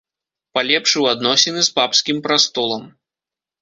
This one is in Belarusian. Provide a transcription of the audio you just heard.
Палепшыў адносіны з папскім прастолам.